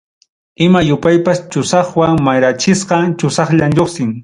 Ima yupaypas chusaqwan mirachisqaqa chusaqllam lluqsin.